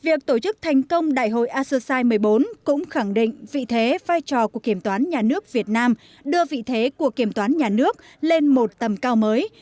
việc tổ chức thành công đại hội associati một mươi bốn cũng khẳng định vị thế vai trò của kiểm toán nhà nước việt nam đưa vị thế của kiểm toán nhà nước lên một tầm cao mới